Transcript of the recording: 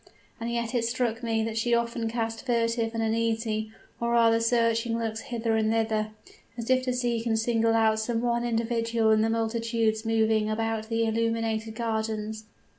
And yet it struck me that she often cast furtive and uneasy, or rather searching looks hither and thither, as if to seek and single out some one individual in the multitudes moving about the illuminated gardens.